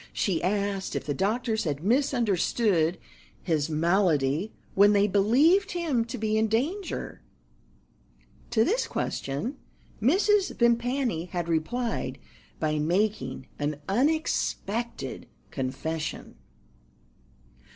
She asked if the doctors had misunderstood his malady when they believed him to be in danger. To this question Mrs. Vimpany had replied by making an unexpected confession.